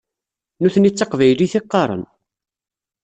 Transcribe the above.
Nutni d taqbaylit i qqaṛen.